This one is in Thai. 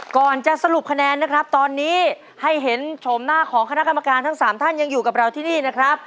ก่อนจะสรุปคะแนนนะครับตอนนี้ให้เห็นโฉมหน้าของคณะกรรมการทั้งสามท่านยังอยู่กับเราที่นี่นะครับ